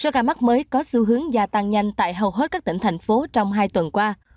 số ca mắc mới có xu hướng gia tăng nhanh tại hầu hết các tỉnh thành phố trong hai tuần qua